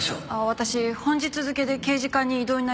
私本日付で刑事課に異動になりました